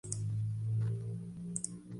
Se accede fácilmente desde el mismo pueblo.